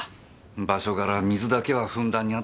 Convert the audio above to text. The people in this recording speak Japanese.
場所柄水だけはふんだんにあったのにねぇ。